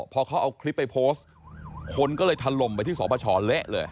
พอเขาเอาคลิปไปโพสต์คนก็เลยถล่มไปที่สปชเละเลย